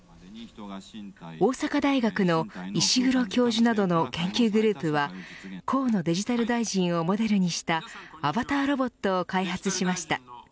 大阪大学の石黒教授などの研究グループは河野デジタル大臣をモデルにしたアバターロボットを開発しました。